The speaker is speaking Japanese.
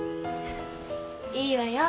いいわよ。